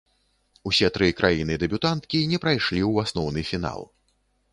Усе тры краіны-дэбютанткі не прайшлі ў асноўны фінал.